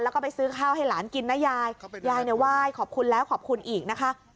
แล้วก็ไปซื้อข้าวให้หลานกินนะยายยายเนี่ยไหว้ขอบคุณแล้วขอบคุณอีกนะคะ